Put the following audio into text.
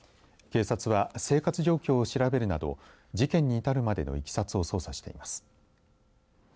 警察は、生活状況を調べるなど事件に至るまでのいきさつを捜査しています。